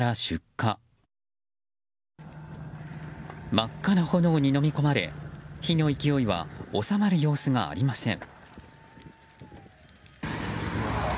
真っ赤な炎にのみ込まれ火の勢いは収まる様子がありません。